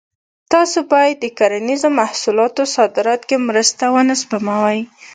تاسو باید د کرنیزو محصولاتو صادراتو کې مرسته ونه سپموئ.